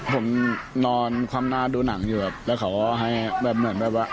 ผมนอนความหน้าดูหนังอยู่ครับแล้วเขาก็ให้แบบเหมือนแบบว่า